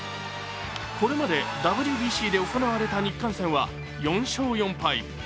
これまでＷＢＣで行われた日韓戦は４勝４敗。